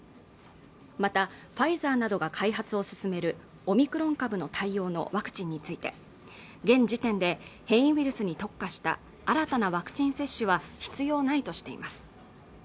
またファイザーなどが開発を進めるオミクロン株の大量のワクチンについて現時点で変異ウイルスに特化した新たなワクチン接種は必要ないとしています